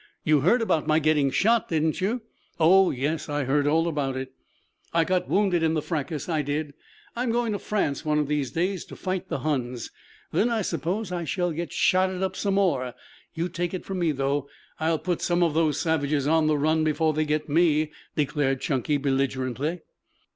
"You heard about my getting shot, didn't you?" "Oh, yes, I heard all about it." "I got wounded in the fracas, I did. I'm going to France one of these days to fight the Huns. Then I suppose I shall get shotted up some more. You take it from me, though, I'll put some of those savages on the run before they get me," declared Chunky belligerently.